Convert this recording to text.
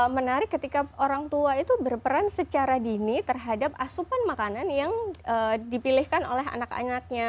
menarik ketika orang tua itu berperan secara dini terhadap asupan makanan yang dipilihkan oleh anak anaknya